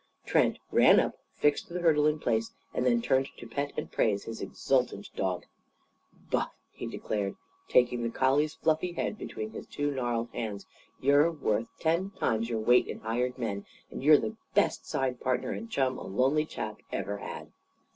Trent ran up, fixed the hurdle in place, and then turned to pet and praise his exultant dog. "Buff," he declared, taking the collie's fluffy head between his two gnarled hands, "you're worth ten times your weight in hired men, and you're the best side partner and chum a lonely chap ever had!"